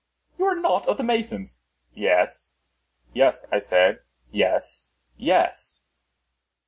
"You are not of the masons." "Yes, yes," I said, "yes, yes."